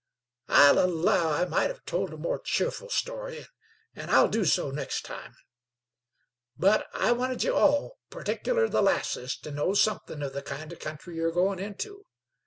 "I'll allow I might hev told a more cheerful story, an' I'll do so next time; but I wanted ye all, particular the lasses, to know somethin' of the kind of country ye're goin' into.